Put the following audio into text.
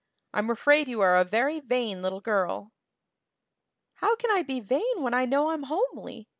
I'm afraid you are a very vain little girl." "How can I be vain when I know I'm homely?"